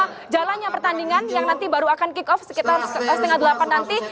karena jalannya pertandingan yang nanti baru akan kick off sekitar setengah delapan nanti